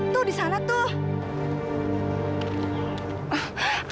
tuh di sana tuh